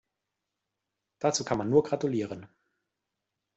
Dazu kann man nur gratulieren.